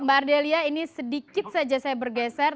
baik mbak ardhilya ini sedikit saja saya bergeser